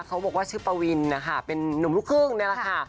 เขาบอกว่าชื่อปวินนะคะเป็นนุ่มลูกครึ่งนี่แหละค่ะ